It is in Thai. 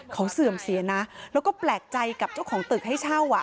เขาเสื่อมเสียนะแล้วก็แปลกใจกับเจ้าของตึกให้เช่าอ่ะ